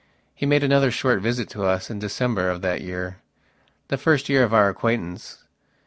He made another short visit to us in December of that yearthe first year of our acquaintance.